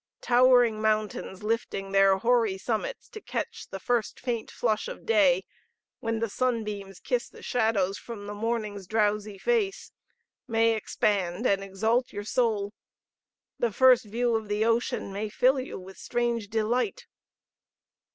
Towering mountains lifting their hoary summits to catch the first faint flush of day when the sunbeams kiss the shadows from morning's drowsy face may expand and exalt your soul. The first view of the ocean may fill you with strange delight.